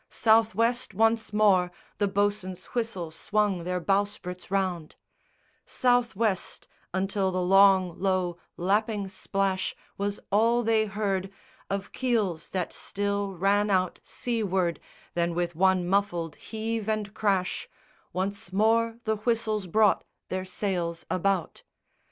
South west once more The bo'sun's whistle swung their bowsprits round; South west until the long low lapping splash Was all they heard, of keels that still ran out Seaward, then with one muffled heave and crash Once more the whistles brought their sails about.